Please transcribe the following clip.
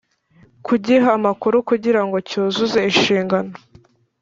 kugiha amakuru kugira ngo cyuzuze inshingano